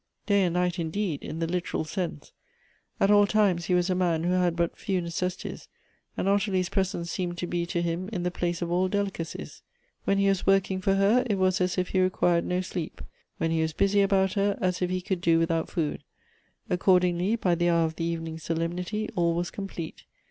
Day and night, indeed, in the literal sense. At all times he was a man who had but few necessities : and Ottilie's presence seemed to be to him in the place of all delicacies. When he was working for her, it was as if he required no sleep ; when he was busy about her, as if he could do without food. Accordingly by the hour of the evening solemnity, all was complete.